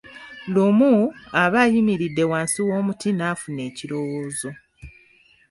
Lumu, aba ayimiridde wansi w'omuti n'afuna ekirowoozo.